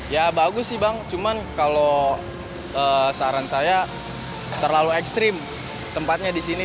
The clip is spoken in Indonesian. ya bagus sih bang cuman kalau saran saya terlalu ekstrim tempatnya di sini